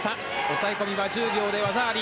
抑え込みは１０秒で技あり。